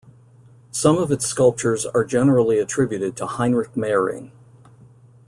Some of its sculptures are generally attributed to Heinrich Meyring.